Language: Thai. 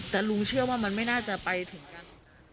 แต่ลุงเชื่อว่ามันไม่น่าจะไปถึงกัน